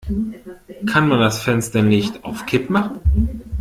Kann man das Fenster nicht auf Kipp machen?